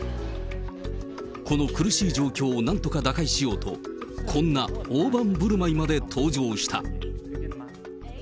この苦しい状況をなんとか打開しようと、こんな大盤振る舞いまで登場した。